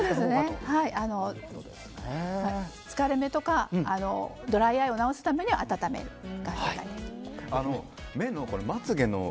疲れ目とかドライアイを治すために温めるが正解です。